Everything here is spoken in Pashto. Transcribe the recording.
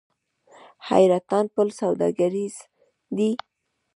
حیرتان پل سوداګریز دی؟